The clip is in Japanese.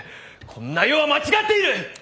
こんな世は間違っている！